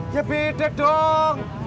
ya beda dong